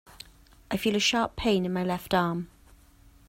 I feel a sharp pain in my left arm.